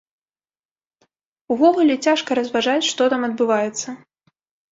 Увогуле, цяжка разважаць, што там адбываецца.